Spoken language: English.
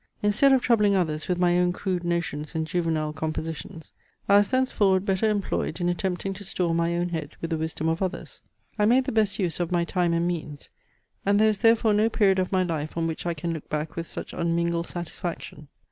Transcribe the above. Instead of troubling others with my own crude notions and juvenile compositions, I was thenceforward better employed in attempting to store my own head with the wisdom of others. I made the best use of my time and means; and there is therefore no period of my life on which I can look back with such unmingled satisfaction.